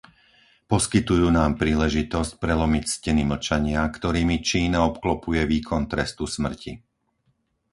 Poskytujú nám príležitosť prelomiť steny mlčania, ktorými Čína obklopuje výkon trestu smrti.